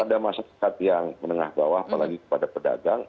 pada masyarakat yang menengah ke bawah apalagi kepada pedagang